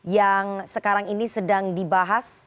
yang sekarang ini sedang dibahas